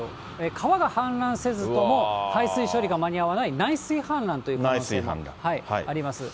川が氾濫せずとも、排水処理が間に合わない内水氾濫という可能性もあります。